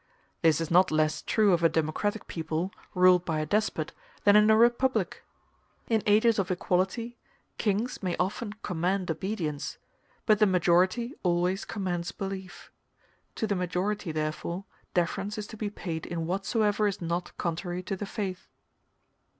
This is not less true of a democratic people, ruled by a despot, than in a republic. In ages of equality, kings may often command obedience, but the majority always commands belief: to the majority, therefore, deference is to be paid in whatsoever is not contrary to the faith.